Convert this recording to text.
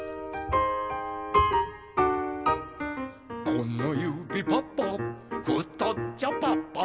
「このゆびパパふとっちょパパ」